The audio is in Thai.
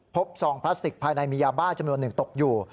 ซองพลาสติกภายในมียาบ้าจำนวนหนึ่งตกอยู่